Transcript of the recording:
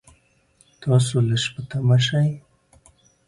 تاسو لږ په طمعه شئ.